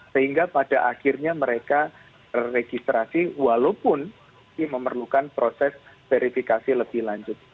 sehingga pada akhirnya mereka registrasi walaupun memerlukan proses verifikasi lebih lanjut